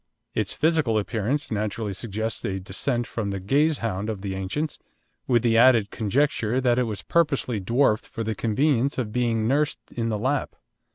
Its physical appearance naturally suggests a descent from the Gazehound of the ancients, with the added conjecture that it was purposely dwarfed for the convenience of being nursed in the lap.